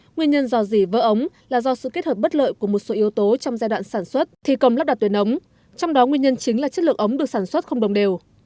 nguyên nhân dò dỉ vỡ ống là do sự kết hợp bất lợi của một số yếu tố trong giai đoạn sản xuất thi công lắp đặt tuyến ống trong đó nguyên nhân chính là chất lượng ống được sản xuất không đồng đều